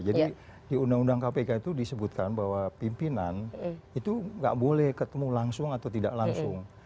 jadi di undang undang kpk itu disebutkan bahwa pimpinan itu gak boleh ketemu langsung atau tidak langsung